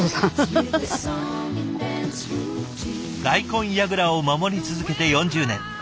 大根やぐらを守り続けて４０年。